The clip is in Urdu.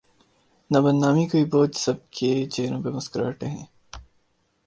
نہ بدنامی کوئی بوجھ سب کے چہروں پر مسکراہٹیں ہیں۔